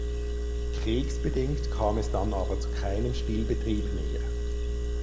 Kriegsbedingt kam es dann aber zu keinem Spielbetrieb mehr.